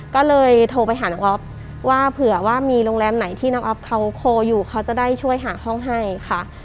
ก็เลยโทรไปหาน้องอ๊อฟว่าเผื่อว่ามีโรงแรมไหนที่น้องอ๊อฟเขาโคลอยู่เขาจะได้ช่วยหาห้องให้ค่ะ